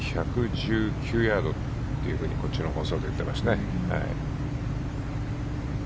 １１９ヤードというふうにこっちの放送で言ってますね。